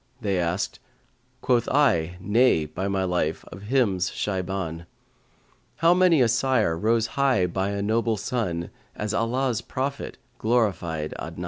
they asked; * Quoth I, Nay, by my life, of him's Shaybαn: How many a sire rose high by a noble son, * As Allah's prophet glorified Adnan!'